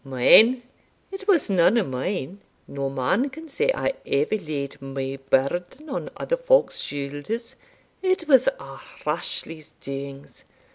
"Mine! it was none of mine. No man can say I ever laid my burden on other folk's shoulders it was a' Rashleigh's doings.